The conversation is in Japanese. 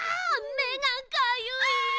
めがかゆいよ！